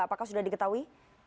apakah sudah diketahui